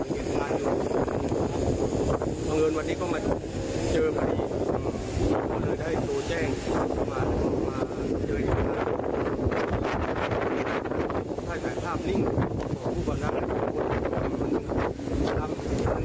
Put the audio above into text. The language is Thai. ก็ดินแบบนี้ไปต่อหน้าซึ่งไปตามข้าง